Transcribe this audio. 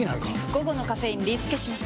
午後のカフェインリスケします！